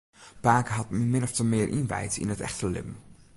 Pake hat my min ofte mear ynwijd yn it echte libben.